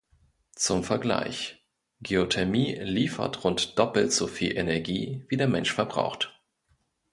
Zum Vergleich: Geothermie liefert rund doppelt so viel Energie, wie der Mensch verbraucht.